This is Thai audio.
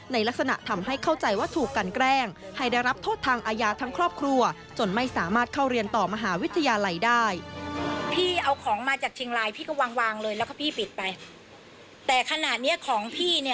ในลักษณะทำให้เข้าใจว่าถูกกันแกล้ง